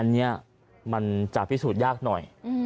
อันนี้มันจะพิสูจน์ยากหน่อย